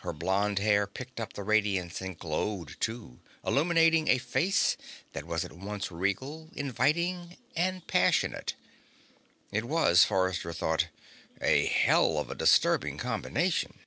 Her blonde hair picked up the radiance and glowed, too, illuminating a face that was at once regal, inviting and passionate. It was, Forrester thought, a hell of a disturbing combination.